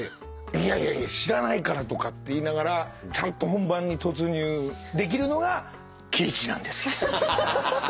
「いやいやいや知らないから」とかって言いながらちゃんと本番に突入できるのが貴一なんですよ。